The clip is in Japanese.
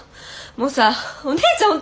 もうさあお姉ちゃん